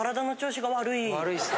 悪いっすね。